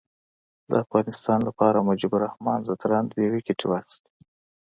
د افغانستان لپاره مجيب الرحمان ځدراڼ دوې ویکټي واخیستي.